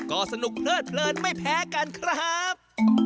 ก็สนุกเพลิดไม่แพ้กันครับ